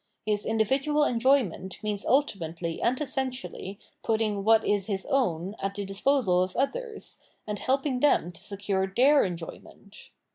His individual enjoyment means ultimately and essentially putting what is his own at the disposal of others, and helping them to secure their enjoyment.